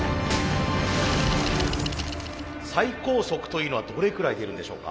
最高速というのはどれくらい出るんでしょうか？